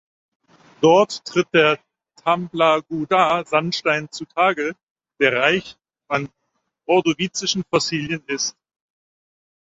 Dort tritt der "Tamblagooda-Sandstein" zu Tage, der reich an ordovizischen Fossilien ist.